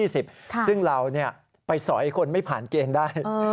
ซึ่งเราไปสอยคนไม่ผ่านเกณฑ์ได้